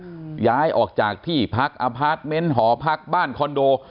ย้ายออกจากที่พักอพาร์ทเมนต์หอพักบ้านคอนโด